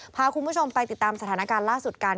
พาคุณผู้ชมไปติดตามสถานการณ์ล่าสุดกัน